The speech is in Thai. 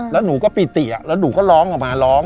แล้วหนูก็ปิติแล้วหนูก็ร้องออกมาร้อง